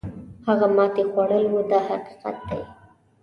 هغه ماتې خوړل وو دا حقیقت دی.